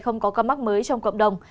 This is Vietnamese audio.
không có ca mắc mới trong cộng đồng